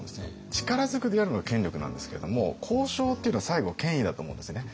力ずくでやるのが権力なんですけれども交渉っていうのは最後権威だと思うんですね。